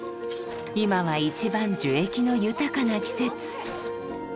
今は一番樹液の豊かな季節。